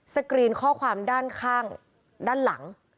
กรีนข้อความด้านข้างด้านหลัง